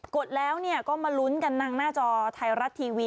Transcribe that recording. ดแล้วก็มาลุ้นกันทางหน้าจอไทยรัฐทีวี